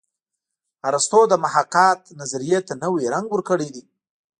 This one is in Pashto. ارستو د محاکات نظریې ته نوی رنګ ورکړی دی